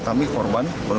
kemudian terjadi penyelamat